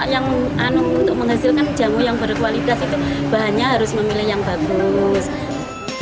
yang untuk menghasilkan jamu yang berkualitas itu bahannya harus memilih yang bagus